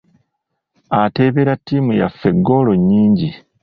Ateebera ttiimu yaffe goolo nyingi.